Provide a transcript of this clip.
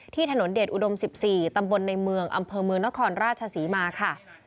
ถนนเดชอุดม๑๔ตำบลในเมืองอำเภอเมืองนครราชศรีมาค่ะ